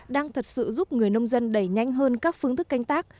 đang thật sự giúp người nông dân đẩy nhanh hơn các phương thức canh tác